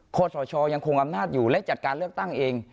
สชยังคงอำนาจอยู่และจัดการเลือกตั้งเอง